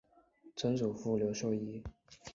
曾祖父刘寿一。